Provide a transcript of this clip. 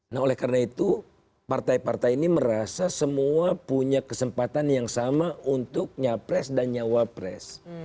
nah oleh karena itu partai partai ini merasa semua punya kesempatan yang sama untuk nyapres dan nyawapres